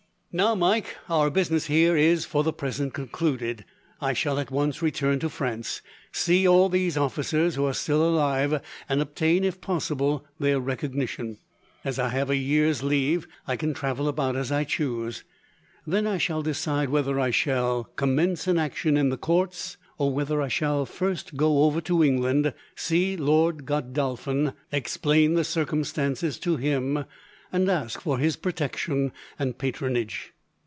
"Now, Mike, our business here is, for the present, concluded. I shall at once return to France, see all these officers who are still alive, and obtain, if possible, their recognition. As I have a year's leave, I can travel about as I choose. Then I shall decide whether I shall commence an action in the courts, or whether I shall first go over to England, see Lord Godolphin, explain the circumstances to him, and ask for his protection and patronage.